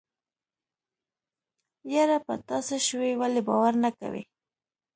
يره په تاڅه شوي ولې باور نه کوې.